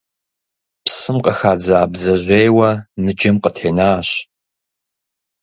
Псым къыхадза бдзэжьейуэ ныджэм къытенащ.